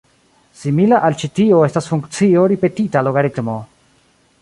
Simila al ĉi tio estas funkcio ripetita logaritmo.